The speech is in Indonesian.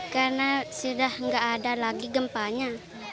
karena sudah tidak ada lagi gempanya